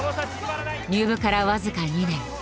入部から僅か２年。